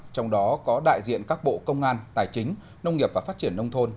trong đó có đại diện các bộ công an tài chính nông nghiệp và phát triển nông thôn